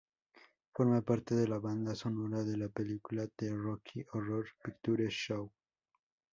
Forma parte de la banda sonora de la película "The Rocky Horror Picture Show".